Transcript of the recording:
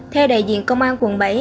theo đại diện công an quận bảy